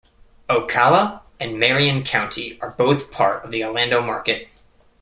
Ocala and Marion County are both part of the Orlando market.